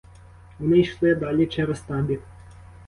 Вони йшли далі через табір.